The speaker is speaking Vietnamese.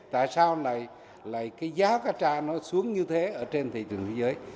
tại sao lại cái giá cà trà nó xuống như thế ở trên thị trường thế giới